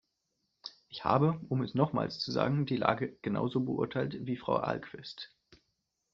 Ich habe, um es nochmals zu sagen, die Lage genauso beurteilt, wie Frau Ahlqvist.